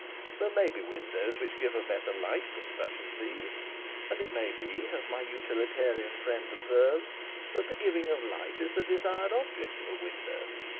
There may be windows which give a better light than such as those, and it may be, as my utilitarian friend observes, that the giving of light is the desired object of a window.